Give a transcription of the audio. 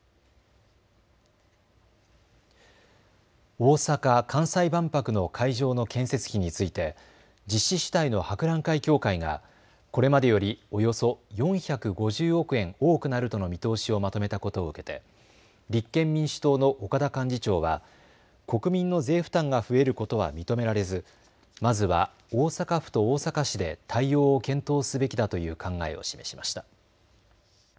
大阪・関西万博の会場の建設費について実施主体の博覧会協会がこれまでよりおよそ４５０億円多くなるとの見通しをまとめたことを受けて立憲民主党の岡田幹事長は国民の税負担が増えることは認められず、まずは大阪府と大阪市で対応を検討すべきだという考えを示しました。